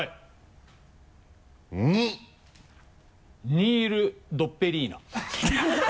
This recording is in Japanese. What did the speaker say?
ニールドッペリーナ。